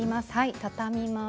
畳みます。